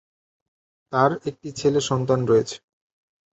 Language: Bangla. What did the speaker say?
তার একটি ছেলে সন্তান রয়েছে।